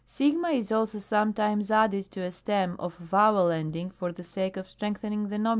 6. a is also sometimes added to a stem of vowel ending for the sake of strengthening the Nom.